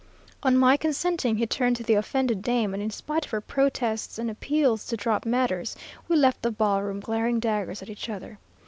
"On my consenting, he turned to the offended dame, and in spite of her protests and appeals to drop matters, we left the ballroom, glaring daggers at each other.